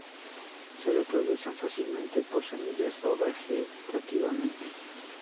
Se reproducen fácilmente por semillas o vegetativamente.